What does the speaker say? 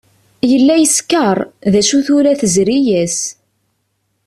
Yella yeskeṛ, d acu tura tezri-as.